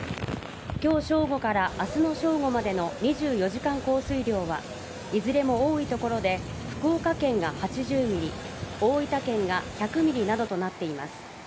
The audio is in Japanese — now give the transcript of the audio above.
今日正午から明日の正午までの２４時間降水量はいずれも多いところで福岡県が８０ミリ大分県が１００ミリなどとなっています。